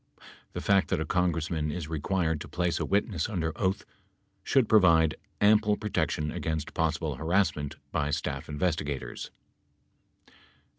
The fact that a Congress man is required to place a witness under oath should provide ample protection against possible harassment by staff investigators.